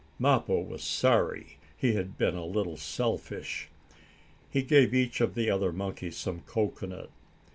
Mappo was sorry he had been a little selfish. He gave each of the other monkeys some cocoanut.